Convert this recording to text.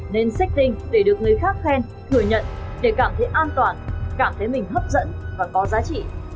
nên xích tinh để được người khác khen thừa nhận để cảm thấy an toàn cảm thấy mình hấp dẫn và có giá trị